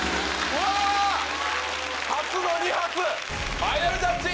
初の２発ファイナルジャッジ